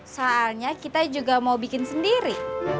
soalnya kita juga mau bikin sendiri